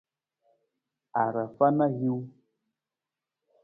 Arafa na hiwung.